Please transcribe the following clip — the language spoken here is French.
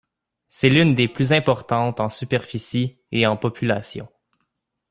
C'est l'une des plus importantes en superficie et en population.